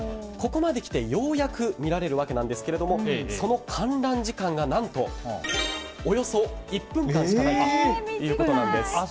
ここまで来てようやく見られるわけなんですがその観覧時間が何と、およそ１分間しかないということなんです。